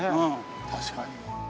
確かに。